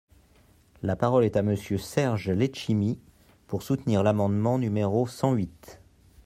La parole est à Monsieur Serge Letchimy, pour soutenir l’amendement numéro cent huit.